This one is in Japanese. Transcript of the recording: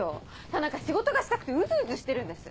田中仕事がしたくてウズウズしてるんです。